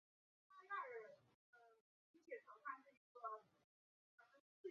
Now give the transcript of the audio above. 这年的晚些时候被任命为团和军械官副官和军械官。